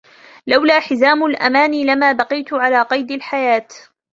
لولا حزام الأمان لما بقيت على قيد الحياة.